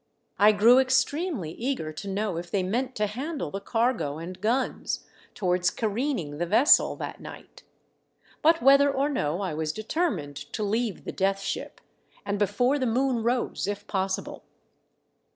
I grew extremely eager to know if they meant to handle the cargo and guns, towards careening the vessel, that night. But whether or no, I was determined to leave the Death Ship, and before the moon rose ^if possible.